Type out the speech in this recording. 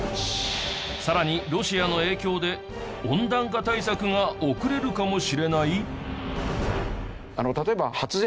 さらにロシアの影響で温暖化対策が遅れるかもしれない！？